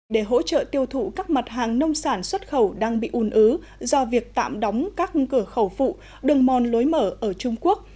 để hỗ trợ tiêu thụ các mặt hàng nông sản xuất khẩu đang bị ùn ứ do việc tạm đóng các cửa khẩu phụ đường mòn lối mở ở trung quốc